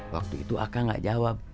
waktu itu akang gak jawab